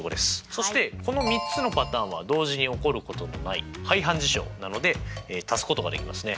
そしてこの３つのパターンは同時に起こることのない排反事象なのでたすことができますね。